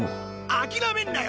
諦めんなよ！